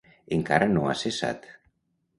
Encara no ha cessat.